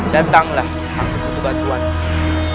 datanglah aku butuh bantuannya